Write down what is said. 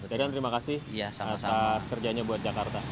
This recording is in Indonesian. tedan terima kasih atas kerjanya buat jakarta